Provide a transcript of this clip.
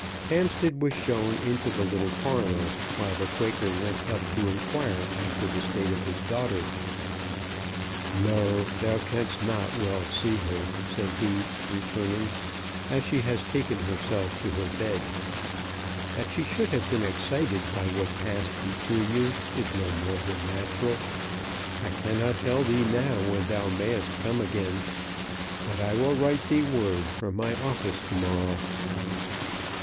Hampstead was shown into the little parlour, while the Quaker went up to inquire after the state of his daughter. "No; thou canst not well see her," said he, returning, "as she has taken herself to her bed. That she should have been excited by what passed between you is no more than natural. I cannot tell thee now when thou mayst come again; but I will write thee word from my office to morrow."